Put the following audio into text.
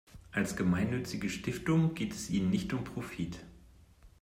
Als gemeinnützige Stiftung geht es ihnen nicht um Profit.